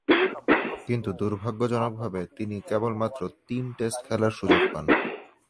কিন্তু দূর্ভাগ্যজনকভাবে তিনি কেবলমাত্র তিন টেস্ট খেলার সুযোগ পান।